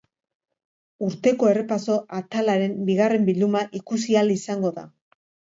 Urteko errepaso atalaren bigarren bilduma ikusi ahal izango da.